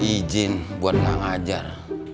ijin buat ga ngajar